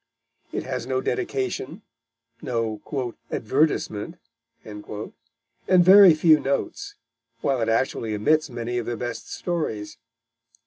It has no dedication, no "advertisement," and very few notes, while it actually omits many of the best stories.